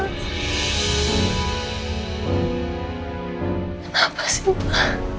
kenapa sih ma